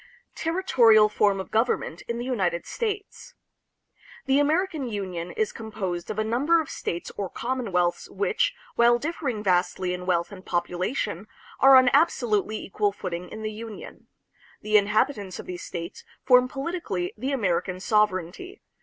Territorial Form of Government in the United States. The American Union is composed of a number of states or commonwealths which, while differing vastly in wealth and population, are on absolutely equal footing in the Union. The inhabitants of these states form politically the American sovereignty.